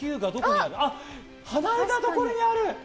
離れたところにある。